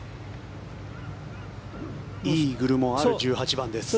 イーグルもある１８番です。